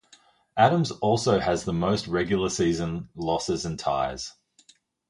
Adams also has the most regular season losses and ties.